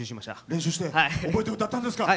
練習して覚えて歌ったんですか。